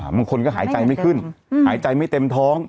บางคนก็หายใจไม่ขึ้นหายใจไม่เต็มท้อง